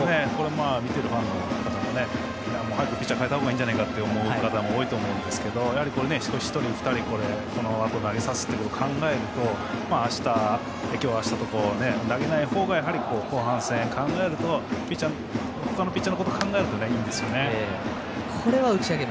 見ているファンの方も早くピッチャー代えたほうがいいんじゃないかと思う方が多いと思うんですが１人、２人、このあと投げさせることを考えると今日、あしたと投げないほうが後半戦ほかのピッチャーのことを考えるといいんですよね。